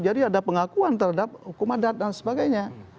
jadi ada pengakuan terhadap hukuman dan sebagainya